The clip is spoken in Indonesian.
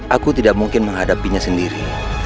aku tidak mungkin menghadapinya sendiri